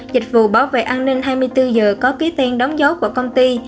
dịch vụ bảo vệ an ninh hai mươi bốn h có ký tiền đóng dấu của công ty